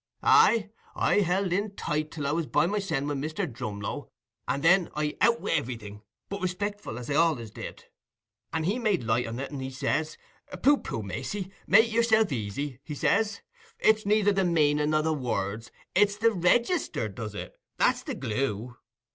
"Aye, I held in tight till I was by mysen wi' Mr. Drumlow, and then I out wi' everything, but respectful, as I allays did. And he made light on it, and he says, "Pooh, pooh, Macey, make yourself easy," he says; "it's neither the meaning nor the words—it's the re_ges_ter does it—that's the glue."